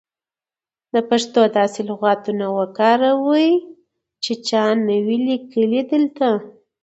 د پښتو داسې لغاتونه وکاروئ سی چا نه وې لیکلي دلته.